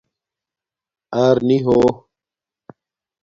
اَرنی ہو